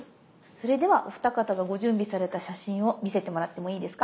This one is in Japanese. それではお二方がご準備された写真を見せてもらってもいいですか？